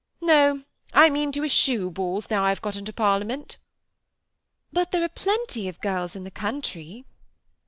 No, I mean to eschew balls now I have got into Parlia ment." "But there are plenty of girls in the country."